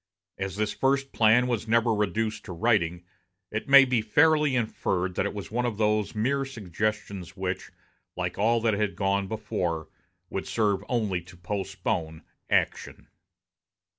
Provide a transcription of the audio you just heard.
As this first plan was never reduced to writing, it may be fairly inferred that it was one of those mere suggestions which, like all that had gone before, would serve only to postpone action.